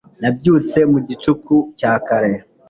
Nabyutse mu gicuku cya kare